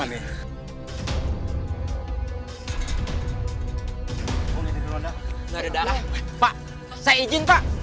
nggak ada darah pak saya izin pak